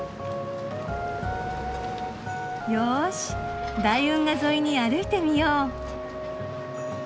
よし大運河沿いに歩いてみよう。